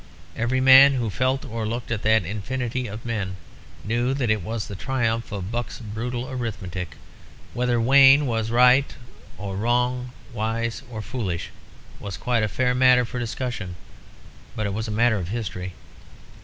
Every man who felt or looked at that infinity of men knew that it was the triumph of Buck's brutal arithmetic. Whether Wayne was right or wrong, wise or foolish, was quite a fair matter for discussion. But it was a matter of history.